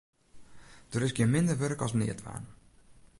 Der is gjin minder wurk as neatdwaan.